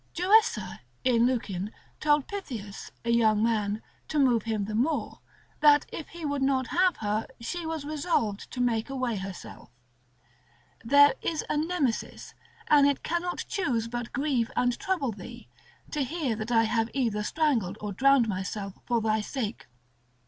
Joessa, in Lucian, told Pythias, a young man, to move him the more, that if he would not have her, she was resolved to make away herself. There is a Nemesis, and it cannot choose but grieve and trouble thee, to hear that I have either strangled or drowned myself for thy sake.